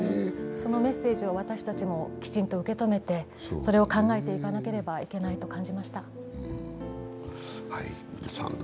そのメッセージを私たちもきちんと受け止めてそれを考えていかなければいけないと感じました。